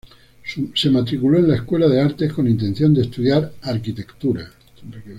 Se matriculó en la Escuela de Artes con intención de estudiar arquitectura.